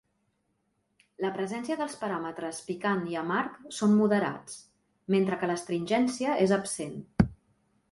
La presència dels paràmetres picant i amarg son moderats, mentre que l'astringència és absent.